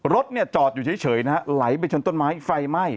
รถจอดอยู่เฉยไหลไปชนต้นไม้ไฟไหม้